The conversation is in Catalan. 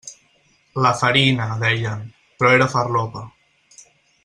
La farina, deien, però era farlopa.